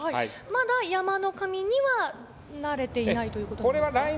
まだ山の神にはなれていないということですか？